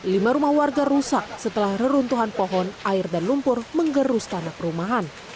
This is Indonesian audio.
lima rumah warga rusak setelah reruntuhan pohon air dan lumpur menggerus tanah perumahan